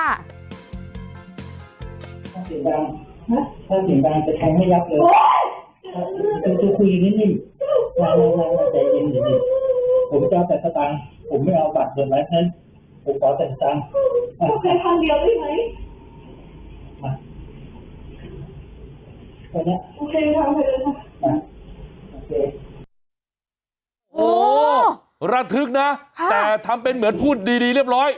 โอ้โหระทึกนะแต่ทำเป็นเหมือนพูดดีเรียบร้อย